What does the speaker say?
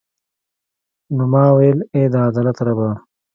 نو ما ویل ای د عدالت ربه.